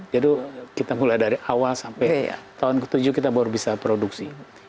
jadi kita mulai dari awal sampai tahun ke tujuh kita baru bisa produksi